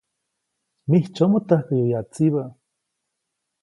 Mijtsyomoʼ täjkäyu yatsibä.